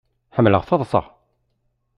Ḥemmleɣ taḍṣa.